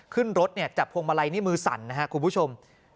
ขึ้นรถจับพวงมาลัยนี่มือสั่นนะครับคุณผู้ชม